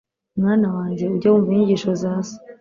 mwana wanjye, ujye wumva inyigisho za so